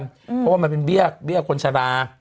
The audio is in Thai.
เพราะว่ามันเป็นเบี้ยคนชะลา